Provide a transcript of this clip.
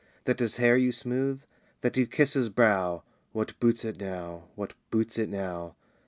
That his hair you smooth? that you kiss his brow, What boots it now? what boots it now?